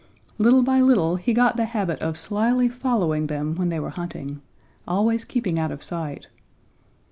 Little by little he got the habit of slyly following them when they were hunting, always keeping out of sight.